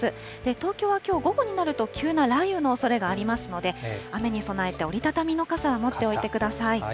東京はきょう、午後になると急な雷雨のおそれがありますので、雨に備えて、折り畳みの傘は持っておいてください。